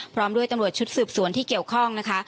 พร้อมด้วยตำรวจชุดสืบสวนที่เกี่ยวข้องนะคะ